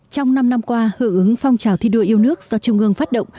trong năm năm qua hưởng ứng phong trào thi đua yêu nước do trung ương phát động